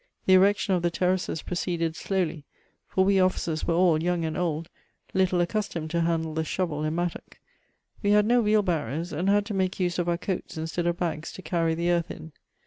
The erection of the terraces proceeded slowly, for we officers were all, young and old, little accustomed to nandle the shovel and mattock. We had no wheelbarrows, and had to make use of our coats instead of bags to carry the earth in.